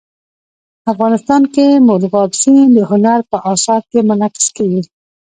افغانستان کې مورغاب سیند د هنر په اثار کې منعکس کېږي.